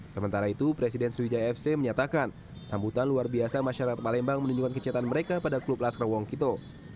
sementara itu presiden sriwijaya fc menyatakan sambutan luar biasa masyarakat palembang menunjukkan kecintaan mereka pada klub laskarwongkito